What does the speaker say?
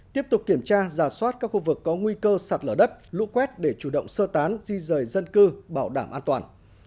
tiếp tục kiểm tra giả soát các khu vực có nguy cơ sạt lở đất lũ quét để chủ động sơ tán di rời dân cư bảo đảm an toàn